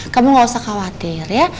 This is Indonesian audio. kamu gak usah khawatir ya